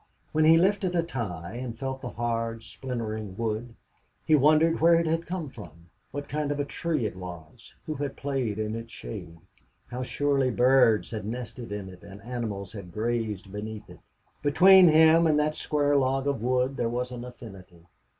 When he lifted a tie and felt the hard, splintering wood, he wondered where it had come from, what kind of a tree it was, who had played in its shade, how surely birds had nested in it and animals had grazed beneath it. Between him and that square log of wood there was an affinity.